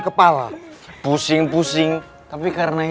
sekolah ini toh